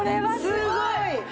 すごい！